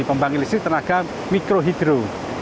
pembangkit listrik tenaga mikrohidro